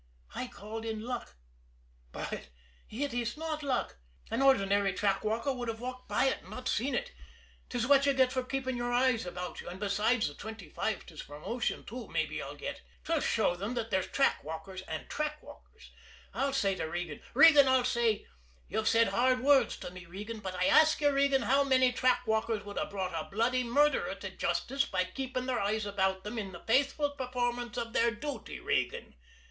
I called it luck but it is not luck. An ordinary track walker would have walked it by and not seen it. 'Tis what you get for keeping your eyes about you, and besides the twenty five 'tis promotion, too, mabbe I'll get. 'Twill show 'em that there's track walkers and track walkers. I'll say to Regan: 'Regan,' I'll say, 'you've said hard words to me, Regan, but I ask you, Regan, how many track walkers would have brought a bloody murderer to justice by keeping their eyes about them in the faithful performance of their duty, Regan?